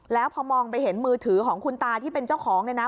แล้วพอมองไปเห็นมือถือของคุณตาที่เป็นเจ้าของเนี่ยนะ